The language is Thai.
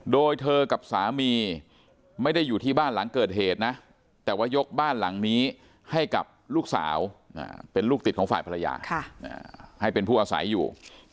โดยเธอกับสามีไม่ได้อยู่ที่บ้านหลังเกิดเหตุนะแต่ว่ายกบ้านหลังนี้ให้กับลูกสาวเป็นลูกติดของฝ่ายภรรยาให้เป็นผู้อาศัยอยู่